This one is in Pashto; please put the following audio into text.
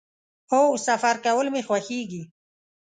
هو، سفر کول می خوښیږي